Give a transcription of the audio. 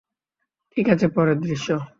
ঠিক আছে, পরের দৃশ্য।